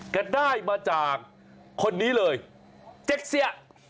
แกได้มาจากคนนี้เลยเจ๊เสีย